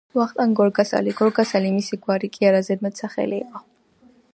''ვახტანგ გორგასალი'' გორგასალი მისი გვარი კი არა ზედმეტ სახელი იყო.